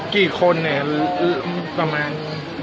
กี่คนเนี่ยประมาณ